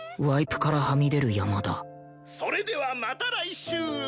「それではまた来週！」